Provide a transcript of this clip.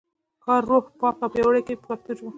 کار روح پاک او پیاوړی کوي په پښتو ژبه.